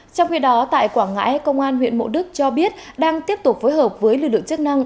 trong khi đó tại quảng ngãi công an huyện mộ đức cho biết đang tiếp tục phối hợp với lực lượng chức năng